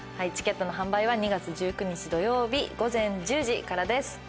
チケットの販売は２月１９日土曜日午前１０時からです。